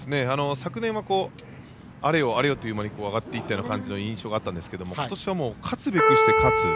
昨年は、あれよあれよという間に上がっていった印象があったんですが今年は勝つべくして勝つ